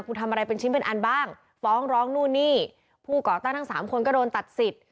คุณทำอะไรเป็นชิ้นเป็นอันบ้างฟ้องร้องนู่นนี่ผู้ก่อตั้งทั้งสามคนก็โดนตัดสิทธิ